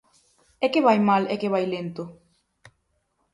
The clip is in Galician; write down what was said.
¿E que vai mal e que vai lento?